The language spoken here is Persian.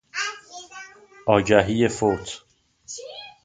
آگهی فوت